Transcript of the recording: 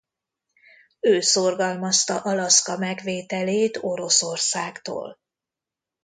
Ő szorgalmazta Alaszka megvételét Oroszországtól.